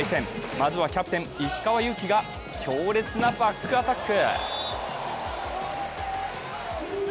まずはキャプテン・石川祐希が強烈なバックアタック。